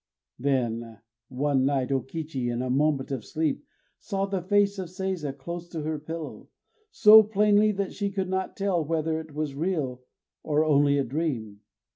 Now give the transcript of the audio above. _ Then one night O Kichi, in a moment of sleep, saw the face of Seiza close to her pillow, so plainly that she could not tell whether it was real, or only a dream.